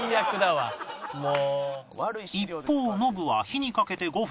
一方ノブは火にかけて５分